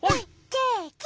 ケーキ。